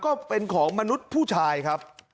ก็เป็นของมนุษย์ผู้ชายครับ